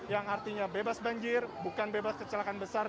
yang artinya bebas banjir bukan bebas kecelakaan besar